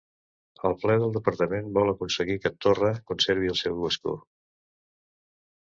El ple del parlament vol aconseguir que Torra conservi el seu escó